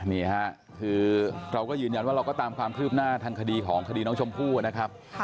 นี่ค่ะคือเราก็ยืนยันว่าเราก็ตามความคืบหน้าทางคดีของคดีน้องชมพู่นะครับ